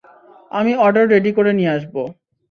আমি order ready করে নিয়ে আসব।